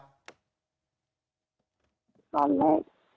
นี่ครับคุณผู้ชมฮะเธอบอกว่าเธอโดนกาดทำร้ายร่างกายนะฮะ